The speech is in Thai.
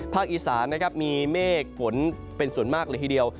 อีสานนะครับมีเมฆฝนเป็นส่วนมากเลยทีเดียว